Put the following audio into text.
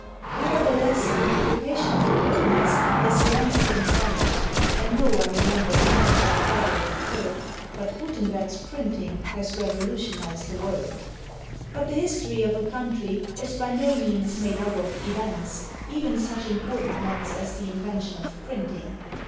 Nev ertheless, the occupation of the copyist is long since van ished, and no one remembers much about Frederic III; but Gutenberg's printing has revolutionized the world. But the history of a country is by no means made up of "events," even such important ones as the invention of printing.